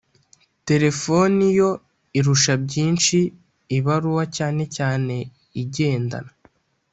terefoni yo irusha byinshi ibaruwa cyanecyane igendanwa.